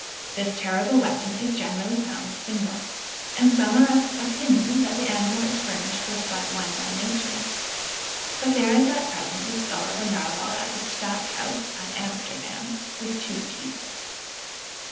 This terrible weapon is generally found single; and some are of opinion that the animal is furnished with but one by nature; but there is at present the skull of a Narwal at the Stadthouse at Amsterdam, with two teeth.